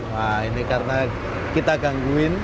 wah ini karena kita gangguin